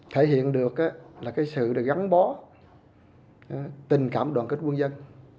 thể hiện được là cái sự gắn bó tình cảm đoàn kết quân dân